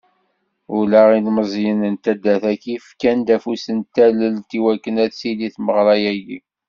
Ula ilmeẓyen n taddart-agi fkan-d afus n tallelt, i wakken ad tili tmeɣra-agi..